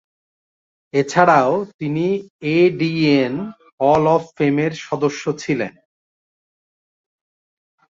এছাড়াও তিনি AVN hall of ফেমের সদস্য ছিলেন।